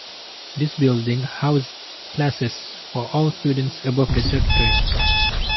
This building housed classes for all students above the third grade.